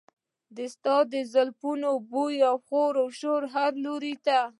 د ستا د زلفو بوی خور شو هر لور ته.